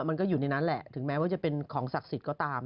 มันก็อยู่ในนั้นแหละถึงแม้ว่าจะเป็นของศักดิ์สิทธิ์ก็ตาม